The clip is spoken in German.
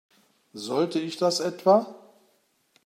Sollte ich das etwa?